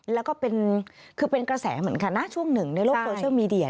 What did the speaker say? แล้วก็เป็นกระแสเหมือนกันนะช่วงหนึ่งในโลกโปรเชิลมีเดีย